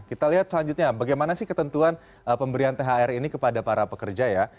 kita lihat selanjutnya bagaimana sih ketentuan pemberian thr ini kepada para pekerja ya